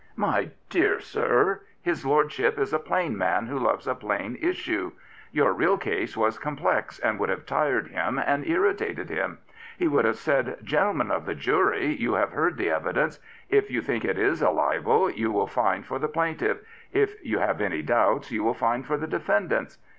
My dear sir, his lordship is a plain man who loves a plain issue. Your real case was complex, and would have tired him and irritated him. He would have said: 'Gentleman of the jury, you have heard the evidence. If you think it is a libel you will find for the plaintiff; if you have any doubts you will find for the defendants.